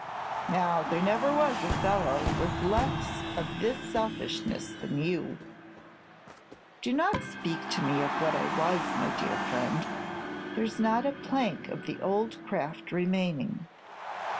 Now, there never was a fellow with less of this selfishness than you " "Do not speak to me of what I was, my dear friend. There's not a plank of the old craft remaining.